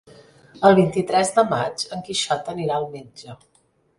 El vint-i-tres de maig en Quixot anirà al metge.